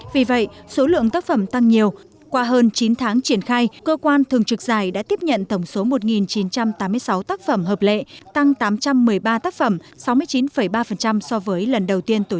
vì vậy số lượng tác phẩm tăng nhiều qua hơn chín tháng triển khai cơ quan thường trực giải đã tiếp nhận tổng số một chín trăm tám mươi sáu tác phẩm hợp lệ tăng tám trăm một mươi ba tác phẩm sáu mươi chín ba